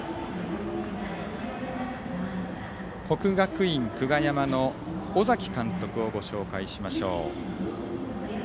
国学院久我山の尾崎監督をご紹介しましょう。